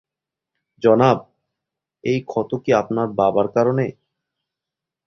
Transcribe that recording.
জনাব, এই ক্ষত কি আপনার বাবার কারণে?